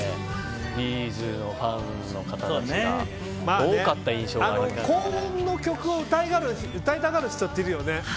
Ｂ’ｚのファンの方が高音の曲を歌いたがる人っているよね。